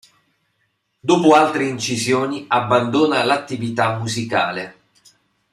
Dopo altre incisioni, abbandona l'attività musicale.